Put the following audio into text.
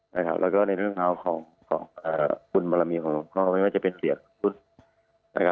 แล้วก็ในเรื่องของคุณมรมีของหลวงพ่อไม่ว่าจะเป็นเสียงพุธ